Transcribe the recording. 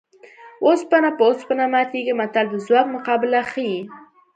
اوسپنه په اوسپنه ماتېږي متل د ځواک مقابله ښيي